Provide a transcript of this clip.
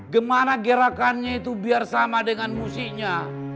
gimana gerakannya itu biar sama dengan musiknya